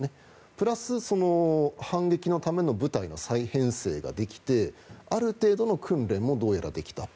プラス、反撃のための部隊の再編成ができてある程度の訓練もどうやらできた。